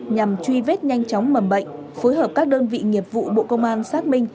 nhằm truy vết nhanh chóng mầm bệnh phối hợp các đơn vị nghiệp vụ bộ công an xác minh